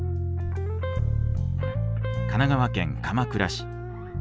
神奈川県鎌倉市。